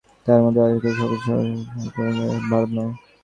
তাঁহার মতে আজিকার ভারতবর্ষ পঞ্চাশ বৎসর আগেকার ভারত নয়।